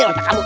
ini otak kamu